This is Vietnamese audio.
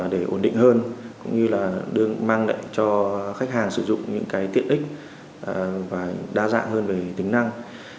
để ổn định hơn cũng như là mang lại cho khách hàng sử dụng những cái tiện ích và đa dạng hơn về tính năng